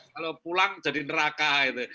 kalau pulang jadi neraka gitu